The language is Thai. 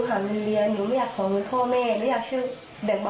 หนูไม่เข้าใจว่าทำไมเขาต้องมารอบกับหนูอะไรถึงก็แบบนี้